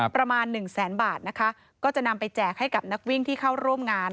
ประมาณหนึ่งแสนบาทนะคะก็จะนำไปแจกให้กับนักวิ่งที่เข้าร่วมงาน